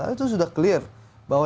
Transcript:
itu sudah jelas